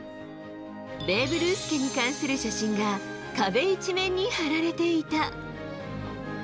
ベーブ・ルース家に関する写真が、壁一面に貼られていた。